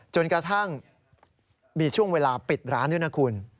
จนกระทั่งมีช่วงเวลาปิดร้านด้วยนะคุณ